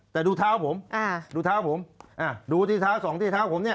แต่ดูเท้าผมอ่าดูเท้าผมอ่าดูที่เท้าสองที่เท้าผมเนี่ย